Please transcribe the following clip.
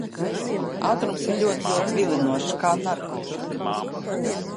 Ātrums ir ļoti, ļoti vilinošs. Kā narkotika.